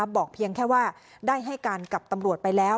เพียงแค่ว่าได้ให้การกับตำรวจไปแล้ว